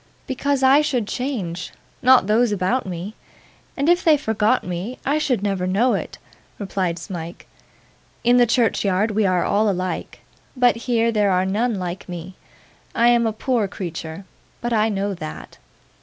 'Because I should change; not those about me. And if they forgot me, I should never know it,' replied Smike. 'In the churchyard we are all alike, but here there are none like me. I am a poor creature, but I know that.